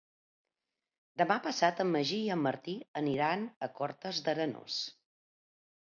Demà passat en Magí i en Martí aniran a Cortes d'Arenós.